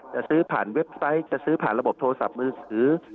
จะซื้อผ่านเว็บไซต์จะซื้อผ่านระบบโทรศัพท์มือถือ